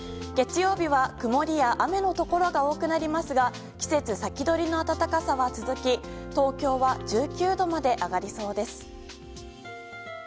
月曜日は曇りや雨のところが多くなりますが季節先取りの暖かさは続き東京は１９度まで上がりそうです。